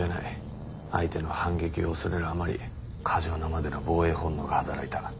相手の反撃を恐れるあまり過剰なまでの防衛本能が働いた。